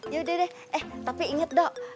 yaudah deh eh tapi inget dok